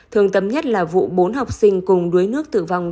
thường tấm nhất là vụ bốn học sinh cùng đuối nước tử vong